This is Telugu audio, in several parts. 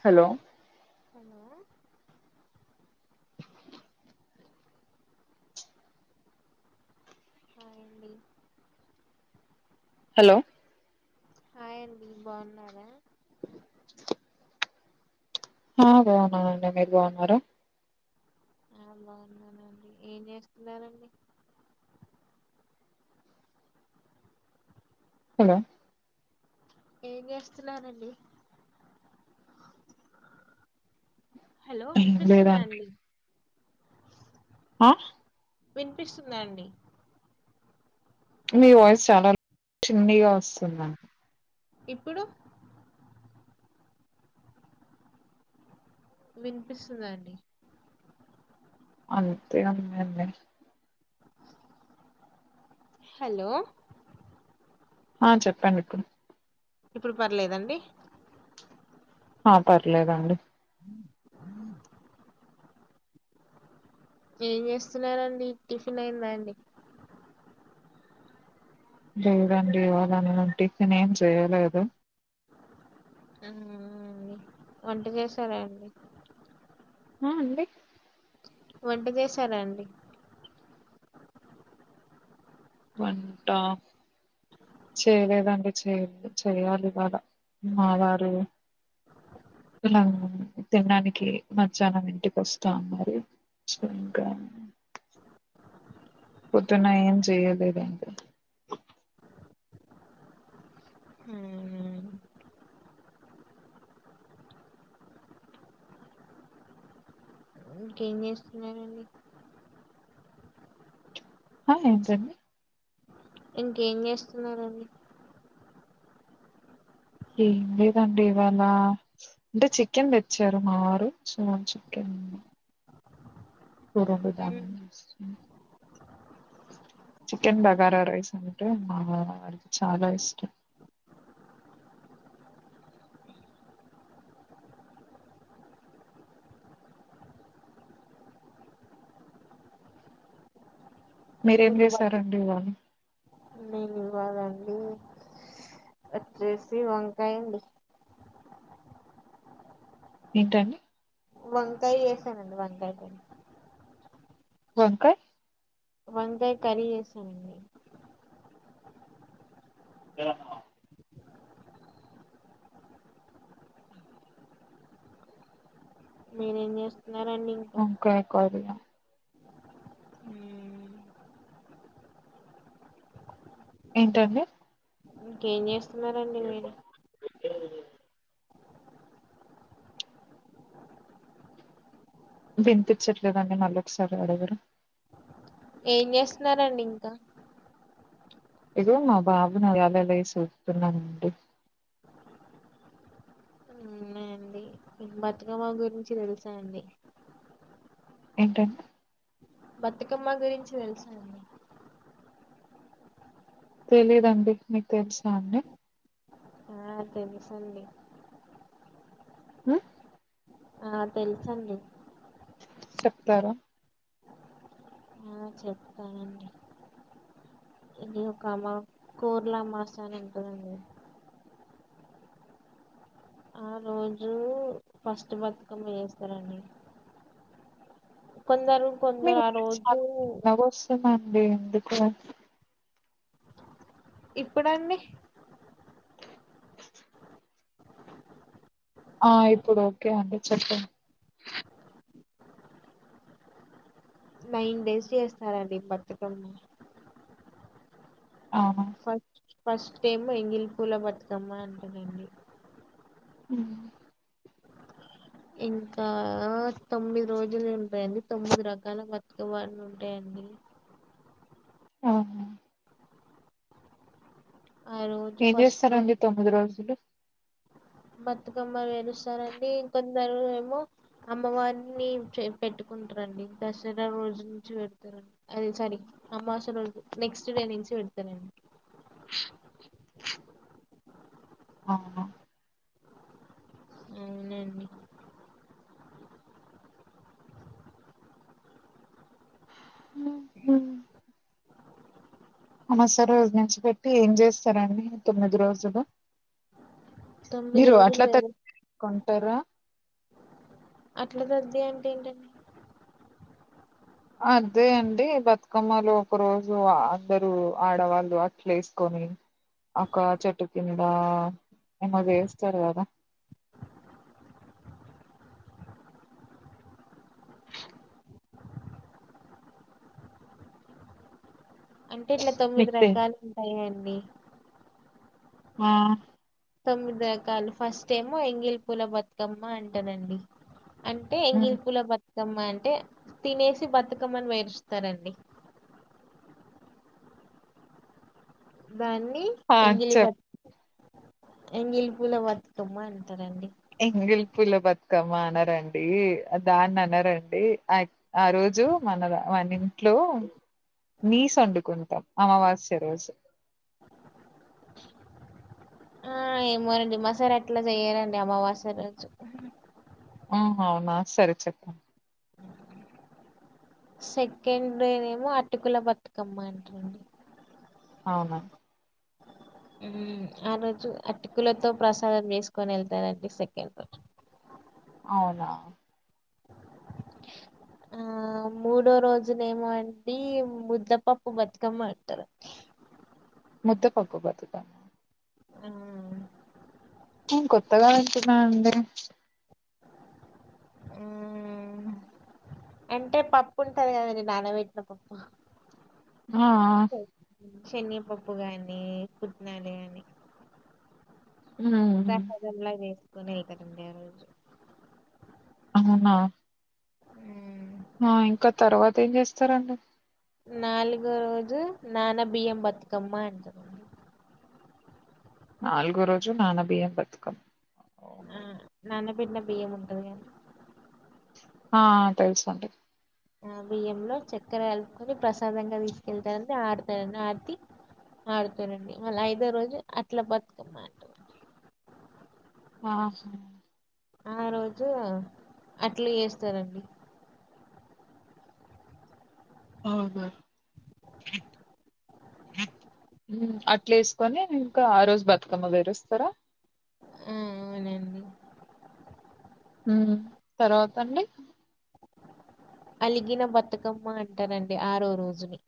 హలో. హలో. హాయ్ అండి. హలో. హాయండి బాగున్నారా. హా బాగున్నానండి మీరు బాగున్నారా. ఆ బాగున్నానండి ఏం చేస్తున్నారంండి. హలో. ఏచేస్తున్నారండి. హలో ఏం వినిపిస్తుద అండి. ఆహ. వినిపిస్తుందండి. మీ వాయిస్ చాలా చిన్నీగా వస్తుందండి. ఇప్పుడు. వినిపిస్తుందండి. అంతే అన్నే లె. హలో. ఆ చెప్పండి ఇప్పుడు. ఇప్పుడు పర్లేదండి ఆ పర్లేదండి ఏం చేస్తున్నారంండి టిఫిన్ అయిందా అండి లేదండి ఇవళనింటికన్ ఏం చెయ్యలేదు ఆ అండి వంట చేశారా అండి ఆ అండి వంట చేశారాండి వంట చేయలేదంటే చేయ చేయాలి వాళ మా వారులా తినడానికి మధ్యాహ్నం ఇంటికి వస్తా ఉన్నారురి సో ఇంకా పత్తున ఏం చేయదు లేదు అవునా. ఇంకేం చేస్తున్ననండి ఆా ఏజ ఇంకేం చేస్తున్నారండి ఏం లేదండి ఇవాళ అంటే చికెన్ తెచ్చారు మాారు సో చికెన్ కురుంబుదామ ఉమ్. చికెన్ బగారా రైస్ అంటే మా వాడికి చాలా ఇష్టం మీరేం మీకు బట్ట చేశారండి వావాళు నేను చేసి వంకాయడి ఏంటండి వంకాయ చేసానండి వంకాయ ప అకా వంగే కరియేసనిడి అ మీరేం చేస్తున్నారండి ఇంకా అకా కా ఏంటండి క స్తున్నారంండి వేళ వినిపించట్లేదండి నల్ొకసారి అడగరు ఏం చేస్తున్నారంండి ఇంకా ఇదో మా బాబు నాలలయి సూతున్నాంది అవునా అండి బతుకమ్మ గురించి తెలుసానండి ఏంటంట బతుకమ్మ గురించి వెలుసాండి తెలిదండి మీకు తెలిసా అన్ని అ అదేం సలి హ ఆ తెలుసండి చెప్తారా చెప్తానండి ఇది ఒక అమ్మ కూూరల అమ్మాస్ అని అంటుందండి ఆ రోజు ఫస్ట్ బతుకమ్మ వేస్తారంండి కొందరు మీ ఆ రోజు మ అంటే ఎందు కూడా ఇప్పుడుండి ఆ ఇప్పుడు ఓకే అండి చెప్పండి నైన్ డేస్ చేస్తారంండి బతుకన్న అవునా అ ఫస్ట్ ఏమొ ఎంగిలి పూల బతుకమ్మ అంటరండి ఉ ఇంకా తొమ్మిది రోజులు ఉంటాయండి తొమ్మిది రకాల బతుకమ్మ ఉంటాయండి అవున ఆ రోజు ఏం చేస్తారండి తొమ్మిది రోజులు బతుకమ్మలు వేలుస్తారండి కొందరు ఏమో అమ్మవారిని పెట్టుకుంటారండి దసరా రోజు నుంచి పెడతారండి అది సరిగ అమావాస్య రోజు నెక్స్ట్ డే నుంచి పెడతారండి అవును అవునండి ఉమ్. అమాస రోజు నుంచి పెట్టి ఏం చేస్తారండి తొమ్మిది రోజులు తొమ్మిది మీరు రోజులు అట్లా త వేరే కుంటర అట్లా తద్ది అంటే ఏంటండి అదే అండి బతుకమ్మలో ఒక రోజు అ అందరు ఆడవాళ్ళు అట్లేసుకొని ఒక చెట్టు కింద ఏమో చేస్తరు కదా అంటే ఇట్లా తొమ్మిది మీకు తె రకాలు ఉంటయండి ఆ తొమ్మిది రకాలు ఫస్ట్ ఏమో ఎంగిలి పూల బతుకమ్మ అంటనండి అంటే ఉమ్. ఎంగిల్ పూల బ బతుకమ్మ అంటే తినేసి బతుకమ్మని వేరుస్తారండి దాన్ని ఆ ఎంగలి బ చెప్ ఎంగిలి పూల బతుకమ్మ అంటారండి ఎంగిలి పూల బతుకమ్మ అనరండి దాన్ని అనరండి ఆ యొ ఆ రోజు మన మన ఇంట్లో నీస్ వండుకుంటాం అమావాస్య రోజు ఆ ఏమోనండి మా సారి అట్లా చేయారండి అమావాస్య రోజు ఆ అవునా సరే చెప్ప సెకండ్ డే నేమో అటుకుల బతుకమ్మ అంటరండి అవునా ఆ రోజు అటుకులతో ప్రసాదం చేసుకొని వెళ్తారండి సెకండ్ రోజు అవునా ఆ మూడో రోజునేమో అండి ముద్దపప్పు బతుకమ్మ అంటారండి ముద్దపప్పు బతుకమ్మ ఆ కొత్తగా వింటున్నా అండి ఆ అంటే పప్పు ఉంటది కదండి నానవేటిన పప్పు హా శనగపప్పు గాని పుట్నాలు గాని ర మ్మ్ హజార్ ల చేస్ కోనెకతండి ఆ రోజు ఆ ఉ ఆ ఇంకా తర్వాత ఏం చేస్తారండి నాలుగో రోజు నానబియ్యం బతుకమ్మ అంటరండి నాలుగో రోజు నానబియ్యం బతుకమ్మ ఓహో ఆ నా న బిన్న బియ్యము ఉంటాది కద ఆ తెలుసు అండి ఆ బియ్యంలో చక్కెర కలుపుకొని ప్రసాదంగా తీసుకెళ్తారండి ఆడతారంని ఆడితి ఆడుతారంండి మళ్ళీ ఐదో రోజు అట్లా బతుకమ్మాట ఆహా ఆ రోజు అట్లు చేస్తారండి అవున అట్లు వేసుకొని ఇంకా ఆ రోజు బతుకమ్మ పేరుస్తారా ఆ అవునండి ఉ తర్వాతండి అలిగిన బతుకమ్మ అంటారంండి ఆరో రోజుని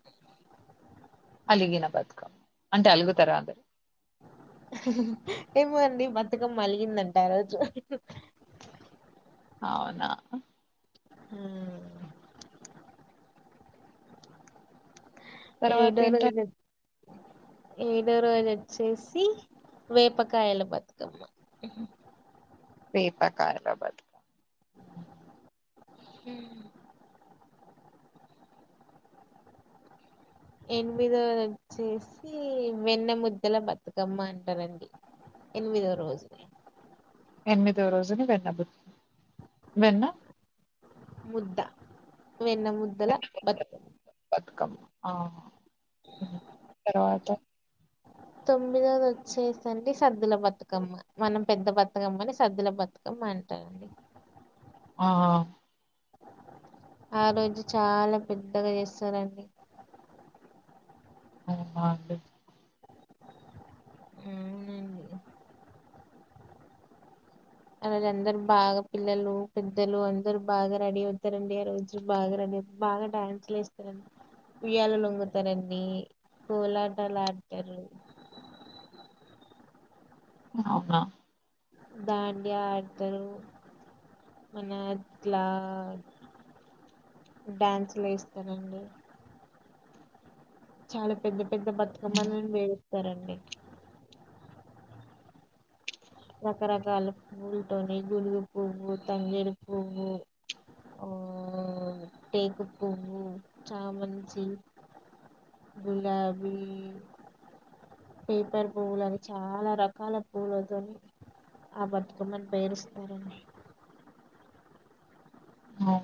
అలిగిన బతుకమ్మ అంటే అలుగుతార ఏమో అండి బతుకమ్మ అలిగిందంట ఆ రోజు అవునా హ తర్వాత ఏడో ఏంటంటే రోజు ఏడో రోజు వచ్చేసి వేపకాయల బతుకమ్మ వేపకాయల బతుకమ్మ హు ఎనిమిదోది వచ్చేసి వెన్నె ముద్దల బతుకమ్మ అంటారండి ఎనిమిదో రోజుని ఎనిమిదో రోజుని వెన్న బు వెన్న ముద్ద వెన్న ముద్దల బతుక కమ్మ తరువాత తొమ్మిదోది వచ్చేసండి సద్దుల బతుకమ్మ మనం పెద్ద బతుకమ్మని సద్దుల బతుకమ్మ అంటారు అండి ఆ ఆ రోజు చాలా పెద్దగా చేస్తారండి [unintelligible] ఉ ఆరోజు అందరు బాగా పిల్లలు పెద్దలు అందరు బాగా రెడీ అవుతారండి ఆ రోజు బాగా రెడీ అయి బాగా డాన్సులు వేస్తారండి ఉయ్యాలు ఉగుతారండి కోలాటాలు ఆడతారు అవున దాండియా ఆడతారు మన క్లా డ్యాన్సులు వేస్తారం డి చాలా పెద్ద పెద్ద బతుకమ్మని పేరుస్తారండి రకరకాల పువ్వులతోని గుడిగు పువ్వు తంగేలి పువ్వు టేకు పువ్వు చామంచి గులాబీ పేపర్ పువ్వులు అని చాలా రకాల పువ్వులతోని ఆ బతుకమ్మని పేరుస్తారూ అండి అవున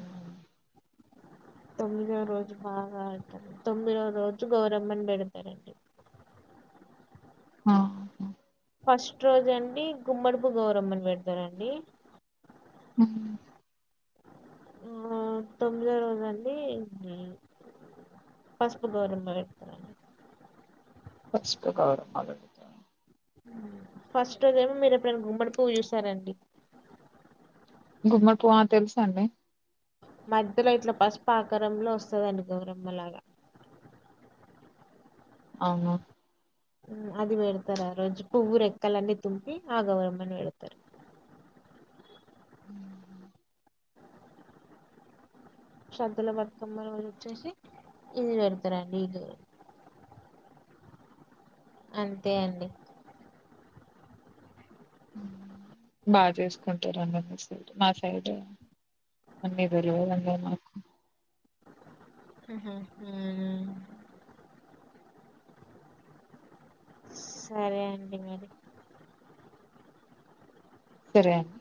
తొమ్మిదో రోజు బాగా ఆడత తొమ్మిదో రోజు గౌరమ్మని పెడతారండి ఆ ఫస్ట్ రోజు అండి గుమ్మడుపు గౌరమ్మని పెడు తారండి ఉమ్. తొమ్మిదో రోజు అండి పసుపు గోరమ్మ పెడతారూ పచ్చ ప్రకాల [unintelligible] ఫస్ట్ోదేమో మీరు ఎప్పుడైనా గుమ్మడిపుువ్వు చూశారండి గుమ్మడి పువ్వా ఆ తెలుసు అండి మధ్యలో ఇట్లా పసుపు ఆకారంలో వస్తుందని గౌరమ్మలాగా అవును అది పెడతారు ఆ రోజు పువ్వు రెక్కలన్నీ తుంపి ఆ గౌరమ్మని పెడతారు శ్రద్ధల బతుకమ్మ రోజు వచ్చేసి ఇది పెడతారండి ఇ అంతే అండి ఉమ్ బాగా చేసుకుంటారు అండి మీ సైడ్ మా సైడ్ అన్నీ దొరగదు అన్నారు మాకు ఉహూ ఉమ్ సరే అండి మరి సరే అండి